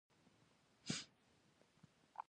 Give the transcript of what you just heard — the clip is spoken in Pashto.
غوښتنلیکونه ډېر وو نو ماته نوبت را ونه رسیده.